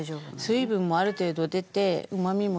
水分もある程度出てうまみも出た方が。